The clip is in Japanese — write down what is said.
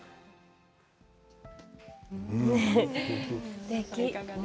すてき。